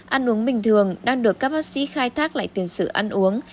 ăn uống bình thường đang được các bác sĩ khai thác lại tiền sử ăn uống